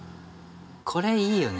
これいいよね。